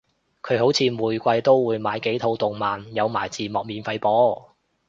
佢好似每季都會買幾套動漫有埋字幕免費播